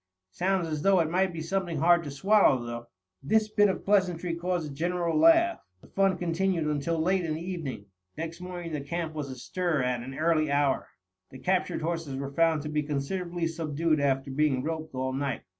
"Sounds as though it might be something hard to swallow, though." This bit of pleasantry caused a general laugh. The fun continued until late in the evening. Next morning the camp was astir at an early hour. The captured horses were found to be considerably subdued after being roped all night.